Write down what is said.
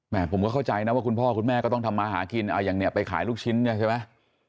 ผมก็เข้าใจนะว่าคุณพ่อคุณแม่ก็ต้องทำมาหากินเอาอย่างเนี่ยไปขายลูกชิ้นเนี่ยใช่ไหม